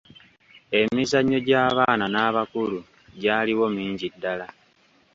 Emizanyo gy'abaana n'abakulu gyaliwo mingi ddala.